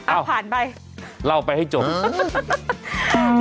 อ้าวราวไปให้จบเห้ำอ้าว